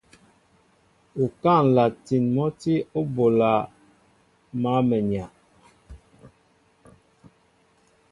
Okáá nlatin mɔsí o ɓola mal mwenya.